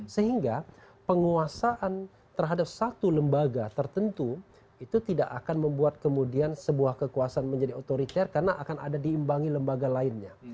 sehingga penguasaan terhadap satu lembaga tertentu itu tidak akan membuat kemudian sebuah kekuasaan menjadi otoriter karena akan ada diimbangi lembaga lainnya